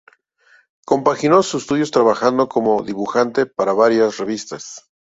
Compaginó sus estudios trabajando como dibujante para varias revistas.